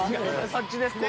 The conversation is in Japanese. そっちですね。